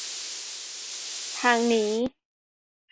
ทางนี้